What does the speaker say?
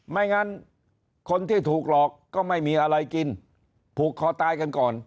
ไม่งั้นคนที่ถูกหลอกก็ไม่มีอะไรกินผูกคอตายกันก่อน